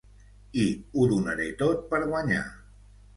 I ho donaré tot per guanyar.